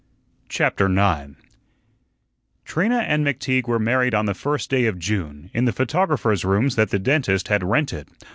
CHAPTER 9 Trina and McTeague were married on the first day of June, in the photographer's rooms that the dentist had rented.